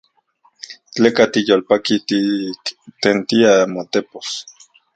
¿Tleka tiyolpaki tiktentia motepos?